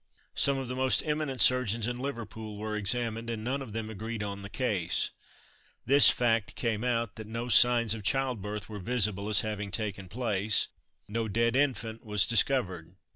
Some of the most eminent surgeons in Liverpool were examined, and none of them agreed on the case. This fact came out that no signs of childbirth were visible as having taken place no dead infant was discovered.